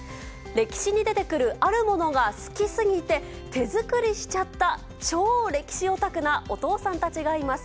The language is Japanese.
歴史に出てくるあるものが好きすぎて、手作りしちゃった超歴史オタクなお父さんたちがいます。